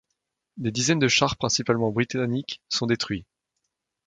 Des dizaines de chars, principalement britanniques, sont détruits.